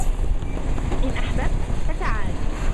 إن أحببت ، فتعال!